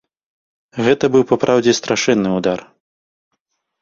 Гэта быў папраўдзе страшэнны ўдар.